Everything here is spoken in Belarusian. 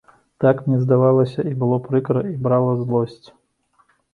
Так мне здавалася, і было прыкра, і брала злосць.